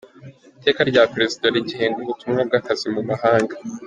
Iteka rya Perezida rigenga ubutumwa bw’akazi mu mahanga;.